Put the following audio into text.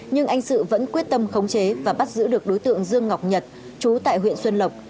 nhưng anh sự vẫn quyết tâm khống chế và bắt giữ được đối tượng dương ngọc nhật chú tại huyện xuân lộc